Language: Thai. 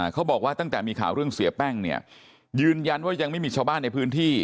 เขาบอกว่าตั้งแต่มีข่าวเรื่องเสียแป้งเนี่ยยืนยันว่ายังไม่มีชาวบ้านในพื้นที่